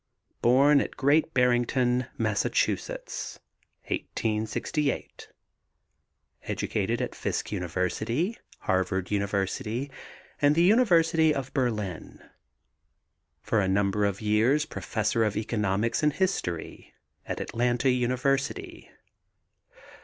Born at Great Barrington, Mass., 1868. Educated at Fisk University, Harvard University and the University of Berlin. For a number of years professor of economics and history at Atlanta University.